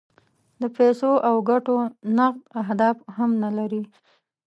د پیسو او ګټو نغد اهداف هم نه لري.